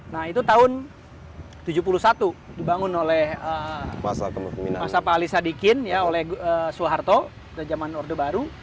nah itu tahun seribu sembilan ratus tujuh puluh satu dibangun oleh masa pak ali sadikin oleh soeharto pada zaman orde baru